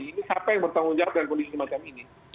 ini siapa yang bertanggung jawab dalam kondisi macam ini